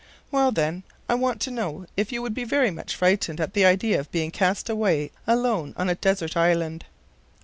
"Well, then, I want to know if you would be very much frightened at the idea of being cast away alone on a desert island."